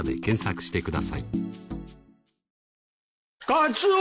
カツオ！